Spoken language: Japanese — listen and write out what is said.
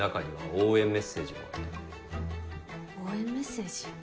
応援メッセージ？